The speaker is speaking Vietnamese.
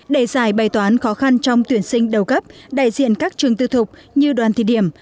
để giải bày toán khó khăn trong tuyển sinh đầu cấp đại diện các trường tư thục như đoàn thị điểm